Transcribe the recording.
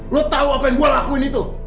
lo tau apa yang gue lakuin itu